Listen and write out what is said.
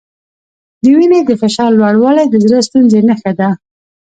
د وینې د فشار لوړوالی د زړۀ ستونزې نښه ده.